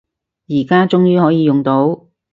而家終於可以用到